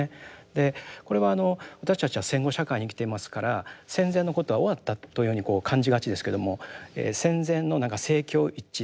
でこれはあの私たちは戦後社会に生きていますから戦前のことは終わったというふうにこう感じがちですけども戦前のなんか政教一致